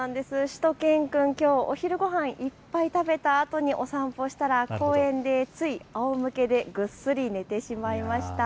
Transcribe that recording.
しゅと犬くん、きょうお昼ごはんいっぱい食べたあとにお散歩したら公園でついあおむけでぐっすり寝てしまいました。